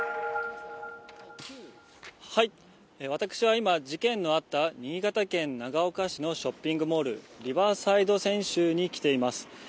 私は今、事件のあった新潟県長岡市のショッピングモール、リバーサイド千秋に来ています。